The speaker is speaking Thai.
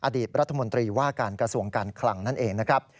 อดีตรัฐมนตรีว่าการกระทรวงการคลังนั่นเองนะครับ